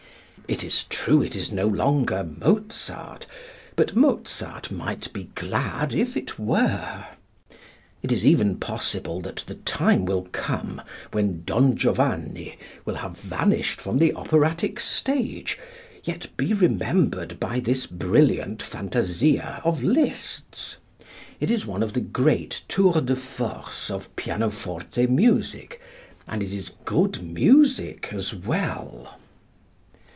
It is true it no longer is Mozart but Mozart might be glad if it were. It is even possible that the time will come when "Don Giovanni" will have vanished from the operatic stage, yet be remembered by this brilliant fantasia of Liszt's. It is one of the great tours de force of pianoforte music, and it is good music as well.